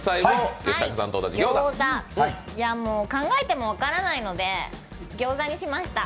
考えても分からないので餃子にしました。